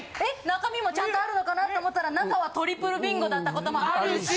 中身もちゃんとあるのかなと思ったら中身はトリプルビンゴだった事もあるし。